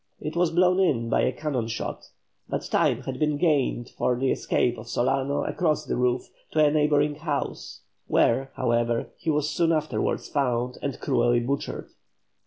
It was blown in by a cannon shot, but time had been gained for the escape of Solano across the roof to a neighbouring house, where, however, he was soon afterwards found and cruelly butchered.